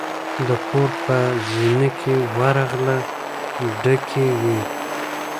د کور په زینه کې ورغله ډکې وې.